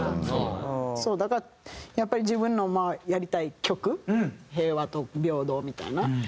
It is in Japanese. だからやっぱり自分のやりたい曲平和と平等みたいな。